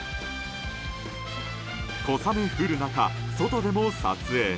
小雨降る中、外でも撮影。